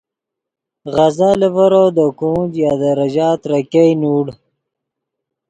غزا لیڤور دے کونج یا دے ریژہ ترے ګئے نوڑ